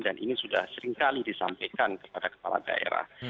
dan ini sudah seringkali disampaikan kepada kepala daerah